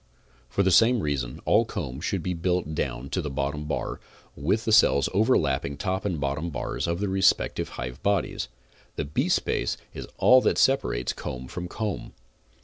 For the same reason all comb should be built down to the bottom bar, then with cells overlapping top and bottom bars of the respective hive bodies, the beespace is all that separates comb from comb.